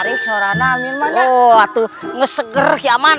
diperoleh menawarkan temfastan melalui sebuah wawasan in